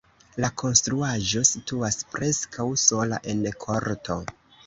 La konstruaĵo situas preskaŭ sola en korto.